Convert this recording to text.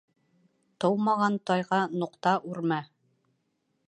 Тыумаған тайға нуҡта үрмә.